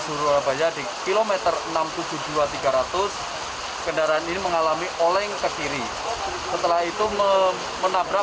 surabaya di kilometer enam ratus tujuh puluh dua tiga ratus kendaraan ini mengalami oleng ke kiri setelah itu menabrak